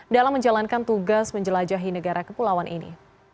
dalam menjalankan tugas menjelajahi negara kepulauan ini